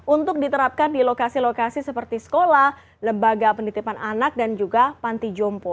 untuk diterapkan di lokasi lokasi seperti sekolah lembaga penitipan anak dan juga panti jompo